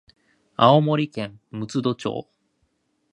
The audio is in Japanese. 青森県六戸町